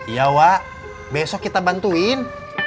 ya wak besok kita bantuin